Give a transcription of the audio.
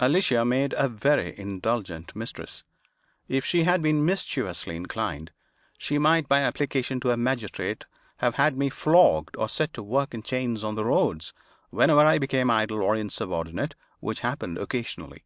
Alicia made a very indulgent mistress. If she had been mischievously inclined, she might, by application to a magistrate, have had me flogged or set to work in chains on the roads, whenever I became idle or insubordinate, which happened occasionally.